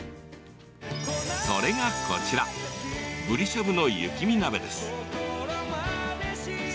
それが、こちらぶりしゃぶの雪見鍋です。